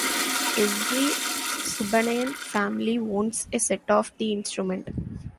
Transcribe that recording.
Every Subanen family owns a set of the instrument.